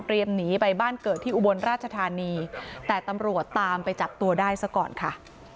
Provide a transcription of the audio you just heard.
หนีไปบ้านเกิดที่อุบลราชธานีแต่ตำรวจตามไปจับตัวได้ซะก่อนค่ะ